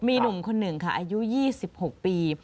มีหนุ่มคนหนึ่งค่ะอายุ๒๖ปี